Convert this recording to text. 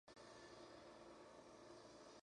Murió a los cuatro días de la decisión del jurado.